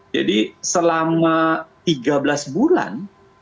jadi selama tiga belas bulan